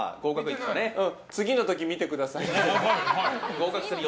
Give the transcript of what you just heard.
次の時、見てください。